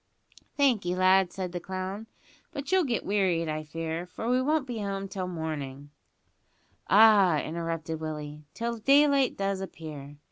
"Thankee, lad," said the clown; "but you'll git wearied, I fear, for we won't be home till mornin' " "Ah!" interrupted Willie, "till daylight does appear.